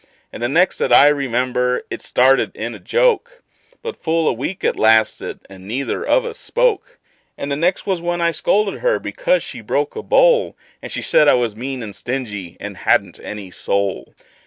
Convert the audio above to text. And the next that I remember, it started in a joke; But full for a week it lasted, and neither of us spoke. And the next was when I scolded because she broke a bowl; And she said I was mean and stingy, and hadn't any soul.